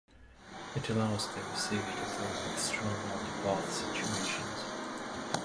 It allows the receiver to cope with strong multipath situations.